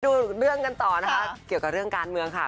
ดูเรื่องกันต่อนะคะเกี่ยวกับเรื่องการเมืองค่ะ